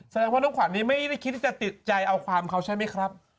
แสดงว่าน้องขวัญนี้ไม่ได้คิดที่จะติดใจเอาความเขาใช่ไหมครับ